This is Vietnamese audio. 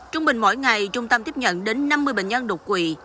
trung bình mỗi ngày trung tâm tiếp nhận đến năm mươi bệnh nhân đột quỵ